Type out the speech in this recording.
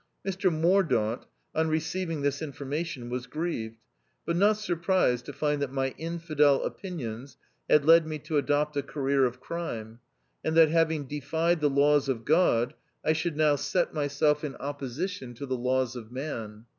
Mr Mor daunt, on receiving this information, was grieved, but not surprised to find that my infidel opinions had led me to adopt a career of crime, and that having defied the laws of God, I should now set myself in opposition THE OUTCAST. 225 to the laws of man.